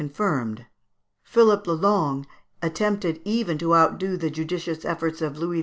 confirmed. Philippe le Long attempted even to outdo the judicious efforts of Louis XI.